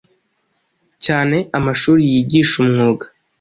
cyane amashuri yigisha umwuga.